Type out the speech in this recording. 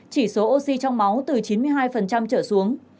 chỉ số oxy trong máu từ chín mươi hai trở xuống